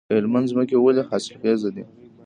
د هلمند ځمکې ولې حاصلخیزه دي؟